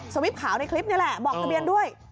วิปขาวในคลิปนี่แหละบอกทะเบียนด้วย